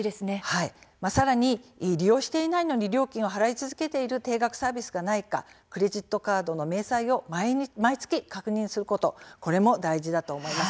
さらに利用していないのに料金を払い続けている定額サービスがないかクレジットカードの明細を毎月確認することも大事だと思います。